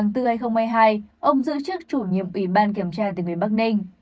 tháng bốn hai nghìn một mươi hai ông giữ chức chủ nhiệm ủy ban kiểm tra tỉnh nguyễn bắc ninh